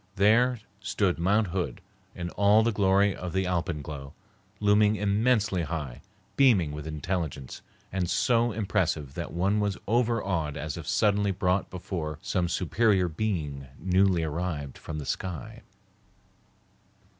There stood Mount Hood in all the glory of the alpenglow, looming immensely high, beaming with intelligence, and so impressive that one was overawed as if suddenly brought before some superior being newly arrived from the sky.